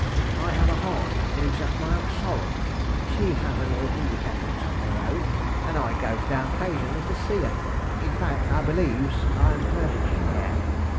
'I have a haunt as lives at Mount Sorrel; she has a little hindependence of her own, and I goes down 'casionally to see her in fact, I believes I'm her hare.